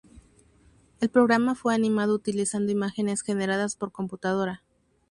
El programa fue animado utilizando imágenes generadas por computadora.